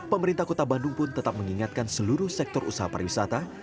pemerintah kota bandung pun tetap mengingatkan seluruh sektor usaha pariwisata